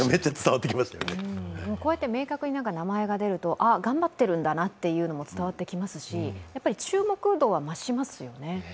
こうやって明確に名前が出ると頑張ってるんだなっていうのが伝わってきますしやはり注目度は増しますよね。